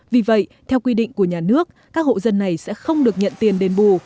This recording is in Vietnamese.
vì vậy theo quy định của nhà nước các hộ dân này sẽ không được nhận tiền đền bù